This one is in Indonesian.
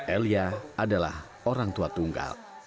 elia adalah orang tua tunggal